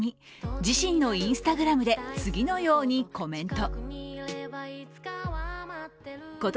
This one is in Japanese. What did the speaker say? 自身のＩｎｓｔａｇｒａｍで次のようにコメント。